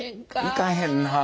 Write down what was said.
いかへんなあ。